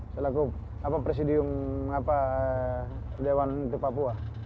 selaku presidium dewan untuk papua